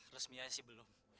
resmi aja sih belum